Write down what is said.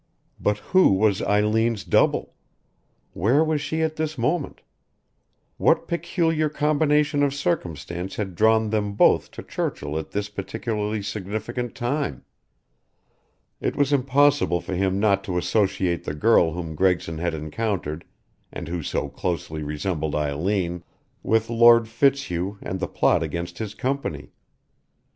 But who was Eileen's double? Where was she at this moment? What peculiar combination of circumstance had drawn them both to Churchill at this particularly significant time? It was impossible for him not to associate the girl whom Gregson had encountered, and who so closely resembled Eileen, with Lord Fitzhugh and the plot against his company.